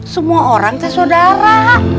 semua orang teh saudara